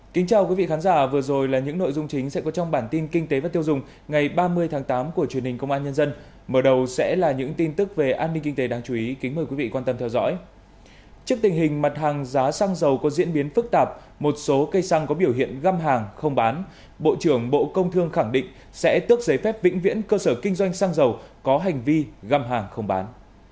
xin chào quý vị khán giả vừa rồi là những nội dung chính sẽ có trong bản tin kinh tế và tiêu dùng ngày ba mươi tháng tám của truyền hình công an nhân dân mở đầu sẽ là những tin tức về an ninh kinh tế đáng chú ý kính mời quý vị quan tâm theo dõi trước tình hình mặt hàng giá xăng dầu có diễn biến phức tạp một số cây xăng có biểu hiện găm hàng không bán bộ trưởng bộ công thương khẳng định sẽ tước giấy phép vĩnh viễn cơ sở kinh doanh xăng dầu có hành vi găm hàng không bán